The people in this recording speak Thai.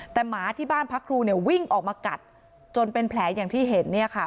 แต่หมาที่บ้านพระครูเนี่ยวิ่งออกมากัดจนเป็นแผลอย่างที่เห็นเนี่ยค่ะ